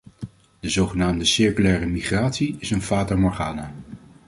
De zogenaamde circulaire migratie is een fata morgana.